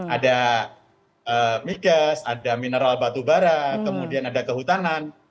ada migas ada mineral batubara kemudian ada kehutanan